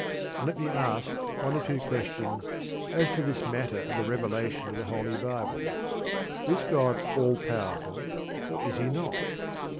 And let me ask one or two questions as to this matter of the revelation of the Holy Bible. Is God all powerful or is he not?